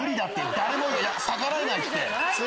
誰も逆らえないって。